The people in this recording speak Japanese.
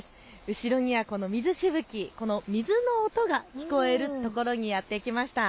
後ろには水しぶき、水の音が聞こえるところにやって来ました。